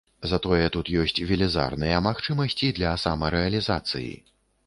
Затое тут ёсць велізарныя магчымасці для самарэалізацыі.